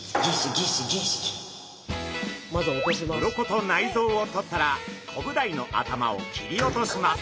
鱗と内臓を取ったらコブダイの頭を切り落とします。